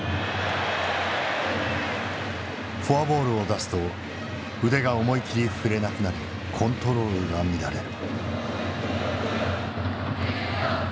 フォアボールを出すと腕が思い切り振れなくなりコントロールが乱れる。